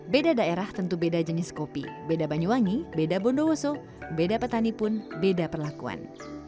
beda daerah tentu beda jenis kopi beda banyu wangi beda bondo woso beda petani pun beda perlakuan